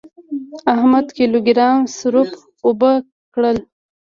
احمد کيلو ګرام سروپ اوبه کړل.